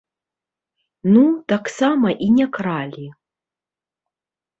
Ну, таксама і не кралі.